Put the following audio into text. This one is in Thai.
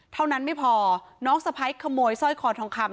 เท่านั้นไม่พอน้องสะพ้ายขโมยสร้อยคอทองคำ